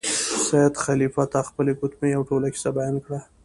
سید خلیفه ته خپله ګوتمۍ او ټوله کیسه بیان کړه.